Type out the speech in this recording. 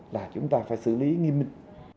là chúng ta phải xử lý nghi minh